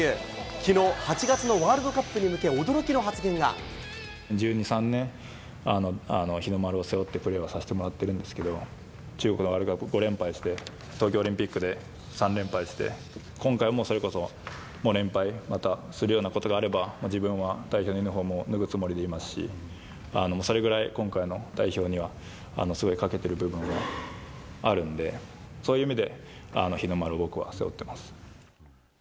きのう、８月のワールドカップに１２、３年、日の丸を背負ってプレーをさせてもらってるんですけど、中国のワールドカップ５連敗して、東京オリンピックで３連敗して、今回もそれこそ、もう連敗またするようなことがあれば、自分は代表のユニホームを脱ぐつもりでいますし、それぐらい、今回の代表にはすごいかけてる部分があるんで、そういう意味で、日の丸を僕は背負ってます。